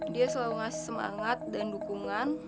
dia selalu ngasih semangat dan dukungan